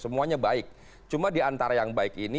semuanya baik cuma diantara yang baik ini